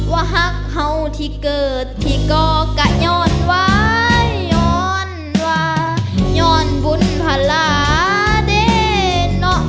ว่าหักเห่าที่เกิดที่ก่อกะย้อนไว้ย้อนวาย้อนบุญพลาเด้เนาะ